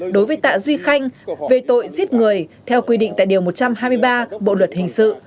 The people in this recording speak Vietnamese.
đối với tạ duy khanh về tội giết người theo quy định tại điều một trăm hai mươi ba bộ luật hình sự